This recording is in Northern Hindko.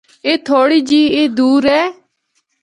اے تھوڑی جی ای دور ہے۔